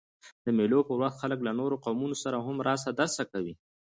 د مېلو پر وخت خلک له نورو قومونو سره هم راسه درسه کوي.